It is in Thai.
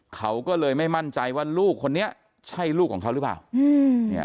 เขาก็เลยไม่มั่นใจว่าลูกคนนี้ใช่ลูกของเขาหรือเปล่า